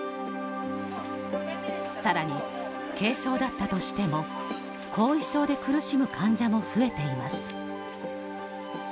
さらに軽症だったとしても後遺症で苦しむ患者も増えています。